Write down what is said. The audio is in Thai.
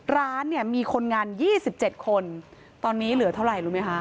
ร้านเนี่ยมีคนงาน๒๗คนตอนนี้เหลือเท่าไหร่รู้ไหมคะ